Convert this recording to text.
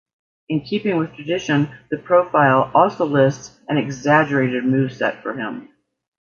In keeping with tradition, the profile also lists an exaggerated moveset for him.